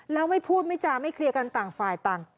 แล้วไม่พูดไม่จาไม่เคลียร์กันต่างฝ่ายต่าง